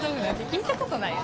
聞いたことない。